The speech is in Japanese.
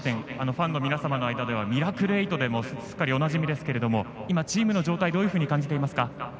ファンの皆さんの間ではミラクルエイトですっかりおなじみですが今、チームの状態どう感じていますか？